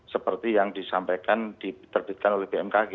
seperti yang disampaikan diterbitkan oleh bmkg